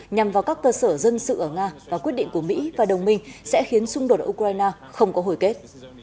nhằm vào các cơ sở dân sự ở nga và quyết định của mỹ và đồng minh sẽ khiến xung đột ở ukraine không có hồi kết